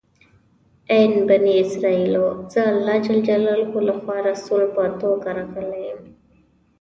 ای بني اسرایلو! زه الله جل جلاله لخوا رسول په توګه راغلی یم.